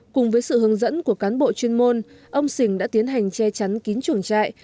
cùng với sự hướng dẫn của cán bộ chuyên môn ông sình đã tiến hành che chắn kín chuồng trại